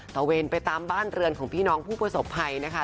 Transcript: เวนไปตามบ้านเรือนของพี่น้องผู้ประสบภัยนะคะ